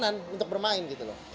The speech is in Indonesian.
kita ada tekanan untuk bermain gitu loh